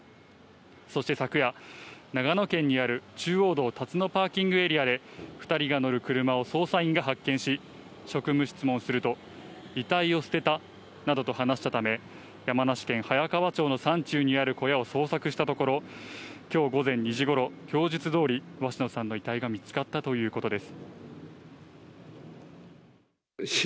そして昨夜、長野県にある中央道・辰野パーキングエリアで２人が乗る車を捜査員が発見し、職務質問すると遺体を捨てたなどと話したため、山梨県早川町の山中にある小屋を捜索したところ今日午前２時頃、供述通り鷲野さんの遺体が見つかったということです。